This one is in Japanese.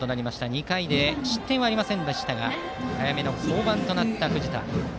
２回で失点はありませんでしたが早めの降板となった藤田。